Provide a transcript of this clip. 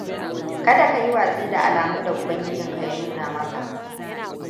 Kada ka yi watsi da alamun da ubangijinka ya nuna maka.